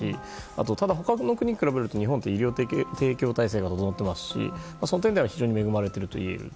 ただほかの国に比べると日本は医療提供体制が整っていますしその点、非常に恵まれているといえます。